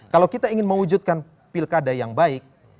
kalau kita ingin mewujudkan pilkada yang baik